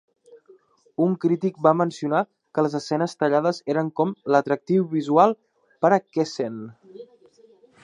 Un crític va mencionar que les escenes tallades eren com "l'atractiu visual per a Kessen".